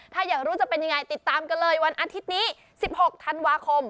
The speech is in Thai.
ถ้าอยากรู้จะเป็นยังไงติดตามกันเลยวันอาทิตย์นี้๑๖ธันวาคม